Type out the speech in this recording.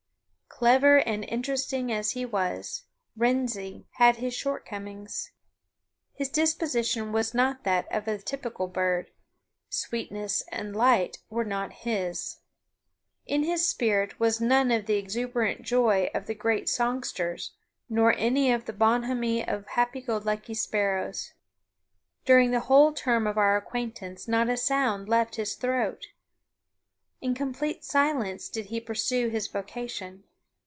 Clever and interesting as he was, Wrensie had his shortcomings. His disposition was not that of the typical bird: "Sweetness and light" were not his. In his spirit was none of the exuberant joy of the great songsters, nor any of the bonhommie of happy go lucky sparrows. During the whole term of our acquaintance not a sound left his throat! In complete silence did he pursue his vocation.